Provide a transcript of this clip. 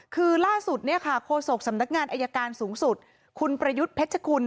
คือล่าสุดเนี่ยค่ะโฆษกสำนักงานอายการสูงสุดคุณประยุทธ์เพชรคุณ